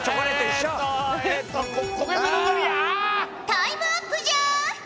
タイムアップじゃ！